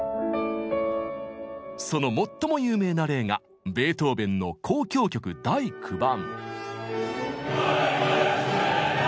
その最も有名な例がベートーベンの「交響曲第９番」。